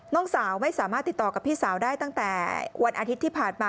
น้องสาวไม่สามารถติดต่อกับพี่สาวได้ตั้งแต่วันอาทิตย์ที่ผ่านมา